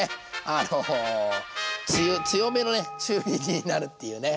あの強めの中火になるっていうね。